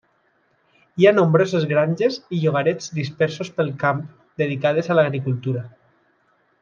Hi ha nombroses granges i llogarets dispersos pel camp, dedicades a l'agricultura.